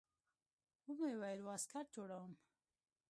ومې ويل واسکټ جوړوم.